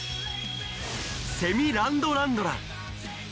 セミ・ランドランドラ。